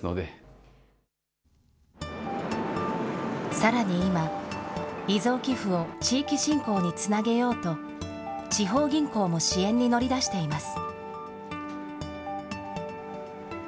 さらに今、遺贈寄付を、地域振興につなげようと、地方銀行も支援に乗り出しています。